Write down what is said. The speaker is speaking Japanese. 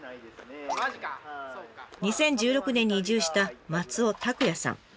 ２０１６年に移住した松尾拓哉さん。